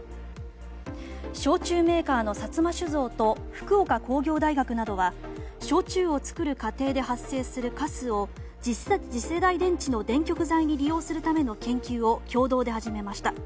焼酎メーカーの薩摩酒造と福岡工業大学などは焼酎を造る過程で発生するかすを次世代電池の電極材に利用するための研究を共同で始めました。